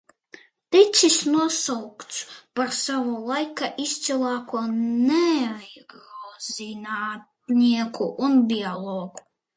Ticis nosaukts par sava laika izcilāko neirozinātnieku un biologu.